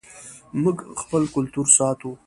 موږ خپل کلتور ساتو